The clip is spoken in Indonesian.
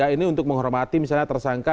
ini untuk menghormati misalnya tersangka